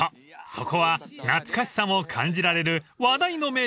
［そこは懐かしさも感じられる話題の名店です］